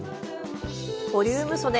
ボリュームそで